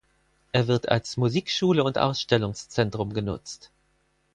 Er wird als Musikschule und Ausstellungszentrum genutzt.